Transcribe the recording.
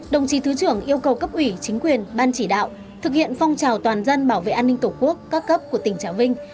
đồng chí thứ trưởng yêu cầu cấp ủy chính quyền ban chỉ đạo thực hiện phong trào toàn dân bảo vệ an ninh tổ quốc các cấp của tỉnh trà vinh